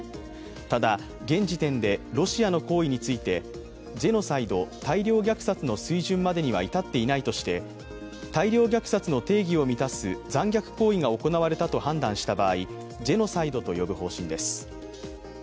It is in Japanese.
ただ、現時点でロシアの行為についてジェノサイド＝大量虐殺の水準までには至っていないとして、大量虐殺の定義を満たす残虐行為が行われたと判断した場合、ジェノサイドと呼ぶ方針です。